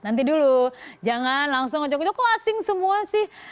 nanti dulu jangan langsung ko ko asing semua sih